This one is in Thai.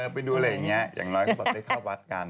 ไปดูอะไรอย่างนี้อย่างน้อยก็แบบได้เข้าวัดกัน